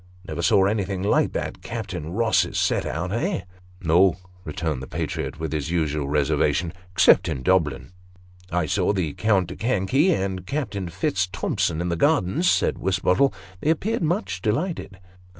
" Never saw anything like that Captain Ross's set out eh ?"" No," returned the patriot, with his usual reservation " except in Dublin." Diversity of Opinion. 229 "I saw tho Count de Canky and Captain Fitzthompson in the Gardens," said Wisbottle :" they appeared much delighted."